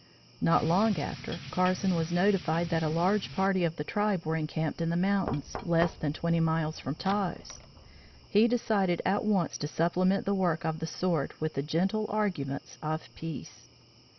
Not long after, Carson was notified that a large party of the tribe were encamped in the mountains, less than twenty miles from Taos. He decided at once to supplement the work of the sword with the gentle arguments of peace.